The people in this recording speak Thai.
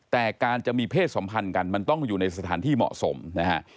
แต่การจะมีเพศสัมพันธ์กันมันต้องอยู่ในสถานที่เหมาะสมนะฮะ